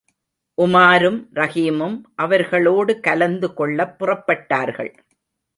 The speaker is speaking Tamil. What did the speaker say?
உமாரும், ரஹீமும் அவர்களோடு கலந்து கொள்ளப் புறப்பட்டார்கள்.